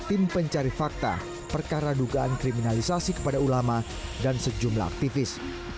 tim pencari fakta perkara dugaan kriminalisasi kepada ulama dan sejumlah aktivis